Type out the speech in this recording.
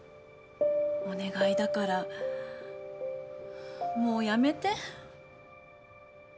お願いだからもうやめて。